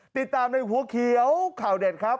ติดตามในหัวเขียวข่าวเด็ดครับ